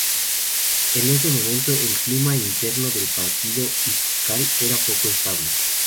En ese momento el clima interno del Partido Istiqlal era poco estable.